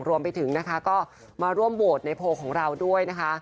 รวมไปถึงนะคะก็มาร่วมโหวตในโพลของเราด้วยนะคะ